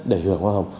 để hưởng hoa hồng